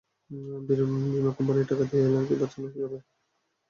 বীমা কোম্পানির টাকা দিয়ে এয়ারলাইনকে বাঁচানো যাবে।